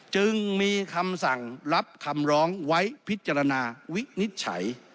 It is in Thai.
จึงมีคำสั่งรับคำร้องไว้พิจารณาวินิจฉัย